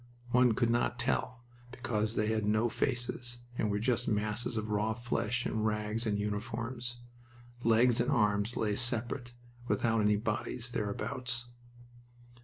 One could not tell, because they had no faces, and were just masses of raw flesh in rags and uniforms. Legs and arms lay separate, without any bodies thereabouts.